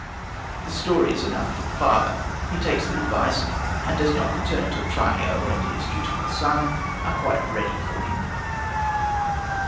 This story is enough for the father. He takes the advice, and does not return till Tranio and his dutiful son are quite ready for him.